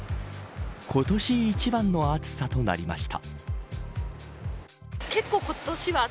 今年一番の暑さとなりました。